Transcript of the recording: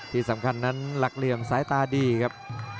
ที่สำคัญนั้นหลักเหลี่ยมสายตาดีครับ